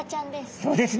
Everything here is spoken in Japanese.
そうですね